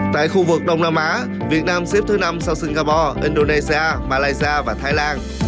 tại khu vực đông nam á việt nam xếp thứ năm sau singapore indonesia malaysia và thái lan